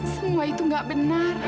semua itu nggak benar